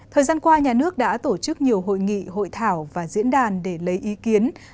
thời gian qua nhà nước đã tổ chức nhiều hội nghị hội thảo và diễn đàn để lấy ý kiến